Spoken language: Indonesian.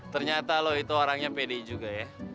ternyata loh itu orangnya pede juga ya